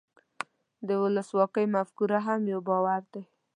د ولسواکۍ مفکوره هم یو باور دی.